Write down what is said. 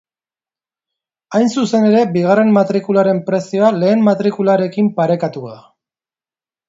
Hain zuzen ere, bigarren matrikularen prezioa lehen matrikularekin parekatuko da.